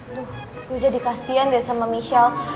aduh gue jadi kasian deh sama michelle